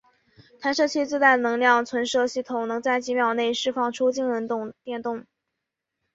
弹射器自带的能量存储系统能在几秒内释放出惊人的电能。